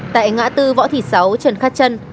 tại ngã tư võ thị sáu trần khát trân